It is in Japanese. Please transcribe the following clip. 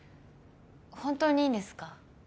本当にいいんですか？